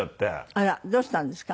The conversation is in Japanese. あらどうしたんですか？